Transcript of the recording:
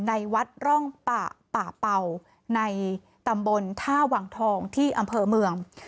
ในวัดร่องป่าป่าเป่าในตำบลท่าวังทองที่อำเภอเมือง